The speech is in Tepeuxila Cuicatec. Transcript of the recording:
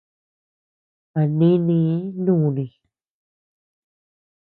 A nínii núni.